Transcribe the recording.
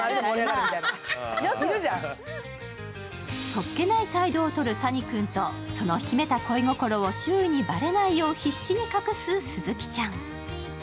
そっけない態度をとる谷君とその秘めた恋心を周囲にばれないよう必死に隠す鈴木ちゃん。